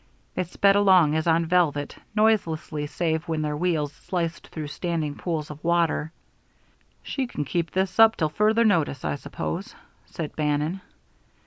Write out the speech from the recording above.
They sped along as on velvet, noiselessly save when their wheels sliced through standing pools of water. "She can keep this up till further notice, I suppose," said Bannon.